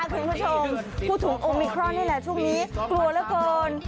คุณผู้ชมพูดถึงโอมิครอนนี่แหละช่วงนี้กลัวเหลือเกิน